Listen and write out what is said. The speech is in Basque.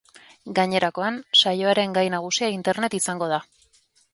Gainerakoan, saioaren gai nagusia internet izango da.